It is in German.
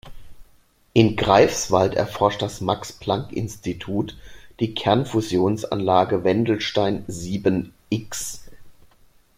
In Greifswald erforscht das Max-Planck-Institut die Kernfusionsanlage Wendelstein sieben-X.